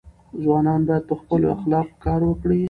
ځوانان باید په خپلو اخلاقو کار وکړي.